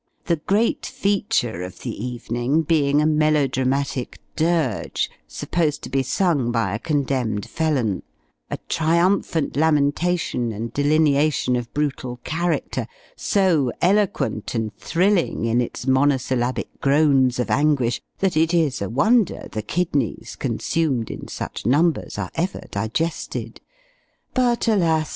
The great feature of the evening being a melodramatic dirge, supposed to be sung by a condemned felon a triumphant lamentation and delineation of brutal character, so eloquent and thrilling, in its monosyllabic groans of anguish, that it is a wonder the kidneys, consumed in such numbers, are ever digested. But, alas!